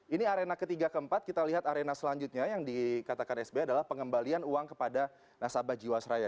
ini arena ketiga keempat kita lihat arena selanjutnya yang dikatakan sby adalah pengembalian uang kepada nasabah jiwasraya